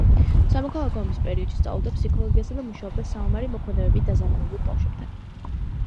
სამოქალაქო ომის პერიოდში სწავლობდა ფსიქოლოგიასა და მუშაობდა საომარი მოქმედებებით დაზარალებულ ბავშვებთან.